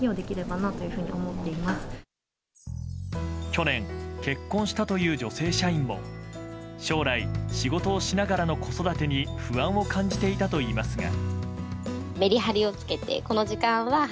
去年結婚したという女性社員も将来、仕事をしながらの子育てに不安を感じていたといいますが。